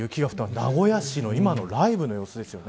名古屋市の今のライブの様子ですね。